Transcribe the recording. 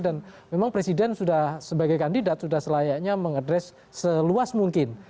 dan memang presiden sudah sebagai kandidat sudah selayaknya mengadres seluas mungkin